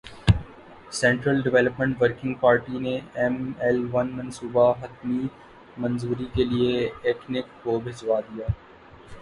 central development working party نے M L one منصوبہ حتمی منظوری کیلئے ایکنک کو بھجوادیا